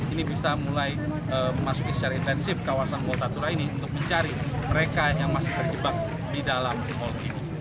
ini bisa mulai memasuki secara intensif kawasan kota tua ini untuk mencari mereka yang masih terjebak di dalam mal ini